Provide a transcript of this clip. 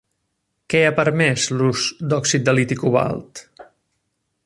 Què ha permès l'ús d'òxid de liti cobalt?